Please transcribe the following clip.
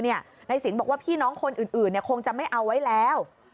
นายสิงห์บอกว่าพี่น้องคนอื่นคงจะไม่เอาไว้แล้ว